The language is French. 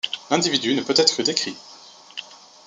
L'individu ne peut être que décrit.